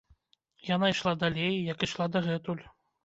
Яна ішла далей, як ішла дагэтуль.